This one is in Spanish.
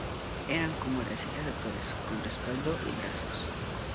Eran como las sillas actuales con respaldo y brazos.